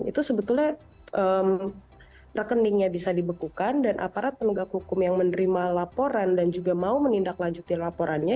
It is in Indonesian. itu sebetulnya rekeningnya bisa dibekukan dan aparat penegak hukum yang menerima laporan dan juga mau menindaklanjuti laporannya